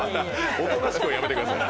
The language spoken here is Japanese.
おとなしくはやめてください。